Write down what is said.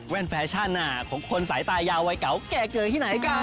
แว่นแฟชั่นนะของคนสายตายาววัยเก่าแก่เกินที่ไหนครับ